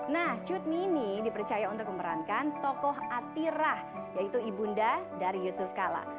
nah cut mini dipercaya untuk memerankan tokoh atirah yaitu ibunda dari yusuf kala